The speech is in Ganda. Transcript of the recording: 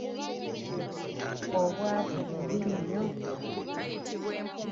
Obwavu bubi nnyo.